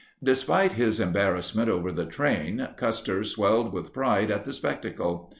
Despite his embarrassment over the train, Custer swelled with pride at the spectacle.